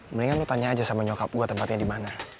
mendingan lo tanya aja sama nyokap gue tempatnya dimana